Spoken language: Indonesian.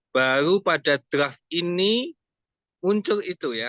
baru pada draft ini muncul itu ya